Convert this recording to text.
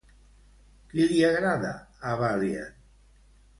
Qui li agrada a Balian?